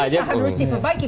maka itu harus diperbaiki